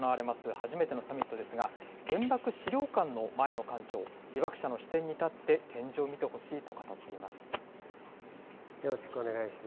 初めてのサミットですが原爆資料館の前の館長、被爆者の視点に立って展示を見てほしいと語っています。